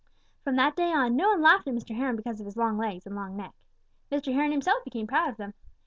From that day on, no one laughed at Mr. Heron because of his long legs and long neck. Mr. Heron himself became proud of them.